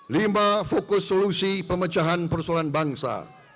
lima fokus solusi pemecahan persoalan bangsa